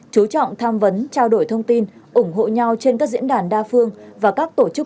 chú trọng tham vấn trao đổi thông tin ủng hộ nhau trên các diễn đàn đa phương và các tổ chức